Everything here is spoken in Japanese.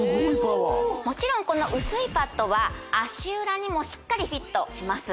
もちろんこの薄いパットは足裏にもしっかりフィットします